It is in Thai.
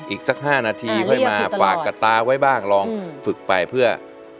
อีกสัก๕นาทีค่อยมาฝากกับตาไว้บ้างลองฝึกไปเพื่อ